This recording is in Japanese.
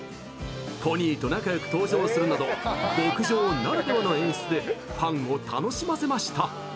ポニーと仲良く登場するなど牧場ならではの演出でファンを楽しませました。